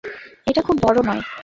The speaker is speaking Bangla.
এটা খুব বড় নয়।